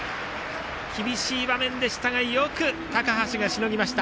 厳しい場面でしたがよく高橋がしのぎました。